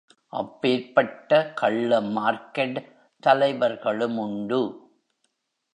அப்பேற்பட்ட கள்ளமார்கெட் தலைவர்களுமுண்டு.